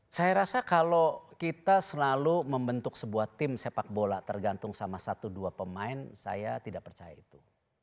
saya rasa kalau kita selalu membentuk sebuah tim sepak bola tergantung sama satu dua pemain saya tidak percaya itu